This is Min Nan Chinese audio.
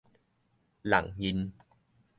弄猌